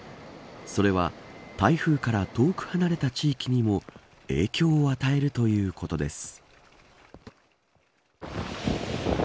それは台風から遠く離れた地域にも影響を与えるということです。